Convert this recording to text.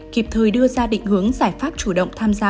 kịp thời đưa ra định hướng giải pháp chủ động tham gia